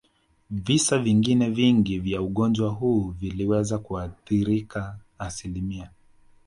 Visa vingine vingi vya ugonjwa huu viliweza kuathirika asilimi